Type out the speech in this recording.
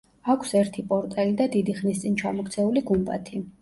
აქვს ერთი პორტალი და დიდი ხნის წინ ჩამოქცეული გუმბათი.